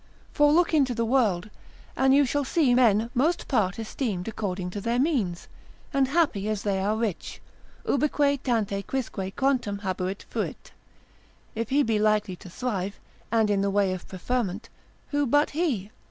For look into the world, and you shall see men most part esteemed according to their means, and happy as they are rich: Ubique tanti quisque quantum habuit fuit. If he be likely to thrive, and in the way of preferment, who but he?